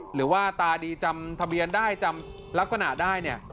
หรือว่าตาดีจำทะเบียนได้จำลักษณะได้เนี่ย